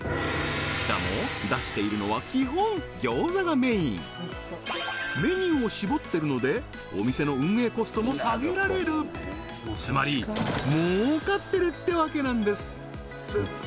しかも出しているのは基本餃子がメインメニューを絞ってるのでお店の運営コストも下げられるつまり儲かってるってわけなんです！